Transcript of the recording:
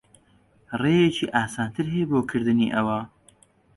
ڕێیەکی ئاسانتر ھەیە بۆ کردنی ئەوە.